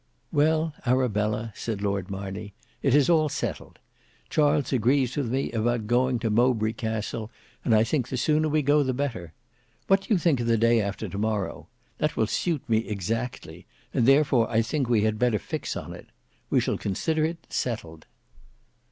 "Well, Arabella," said Lord Marney, "it is all settled; Charles agrees with me about going to Mowbray Castle, and I think the sooner we go the better. What do you think of the day after to morrow? That will suit me exactly, and therefore I think we had better fix on it. We will consider it settled."